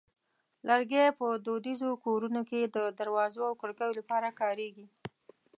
لرګی په دودیزو کورونو کې د دروازو او کړکیو لپاره کارېږي.